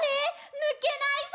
ぬけないぞ！！」